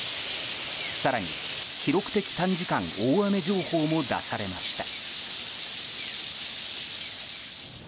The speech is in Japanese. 更に記録的短時間大雨情報も出されました。